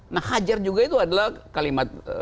nah hajar juga itu adalah kalimat